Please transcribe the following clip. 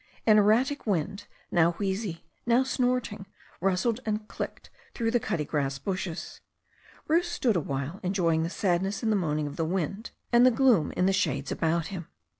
An erratic wind, now wheezy, now snorting, rustled and clicked through the cuttigrass bushes. Bruce stood awhile, enjoying the sadness in the moaning of the wind and the gloom in the shades about him.